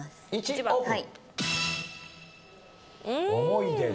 ４番オープン。